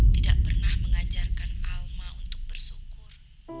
tidak pernah mengajarkan alma untuk bersyukur